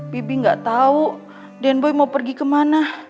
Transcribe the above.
bibi gak tau dan boy mau pergi kemana